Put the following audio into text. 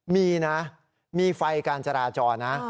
มีนะมีไฟการจราจรนะ